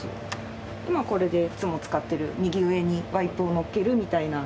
今これでいつも使っている右上にワイプをのっけるみたいな。